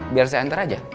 biar saya antar aja